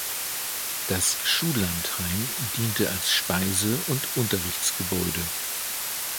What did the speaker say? Das Schullandheim diente als Speise- und Unterrichtsgebäude.